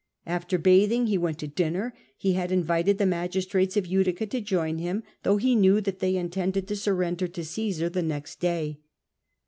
After bathing he went to dinner ; he had invited the magistrates of Utica to join him, though he knew that they intended to surrender to Caesar next day.